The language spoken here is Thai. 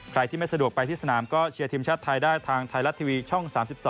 ใครที่ไม่สะดวกไปที่สนามก็เชียร์ทีมชาติไทยได้ทางไทยรัฐทีวีช่อง๓๒